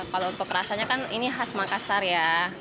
kalau untuk rasanya kan ini khas makassar ya